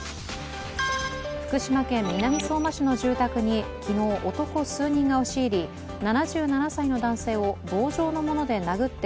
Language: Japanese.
福島県南相馬市の住宅に昨日、男数人が押し入り、７７歳の男性を棒状のもので殴って